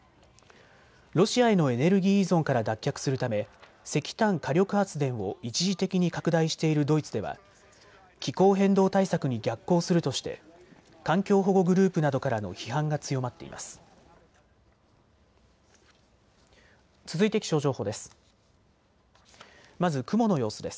ロシアへのエネルギー依存から脱却するため石炭火力発電を一時的に拡大しているドイツでは気候変動対策に逆行するとして環境保護グループなどからの批判が強まっています。